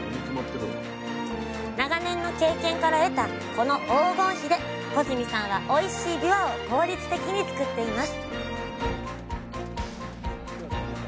長年の経験から得たこの黄金比で穂積さんはおいしいびわを効率的に作っています。